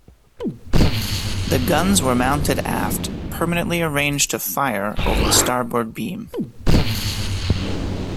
The guns were mounted aft, permanently arranged to fire over the starboard beam.